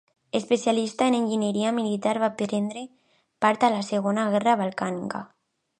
Especialista en enginyeria militar, va prendre part en la Segona Guerra Balcànica.